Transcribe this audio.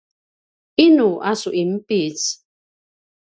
inu a su inpic?